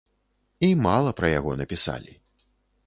І мала пра яго напісалі.